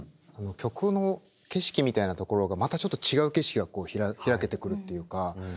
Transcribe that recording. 曲の景色みたいなところがまたちょっと違う景色が開けてくるっていうか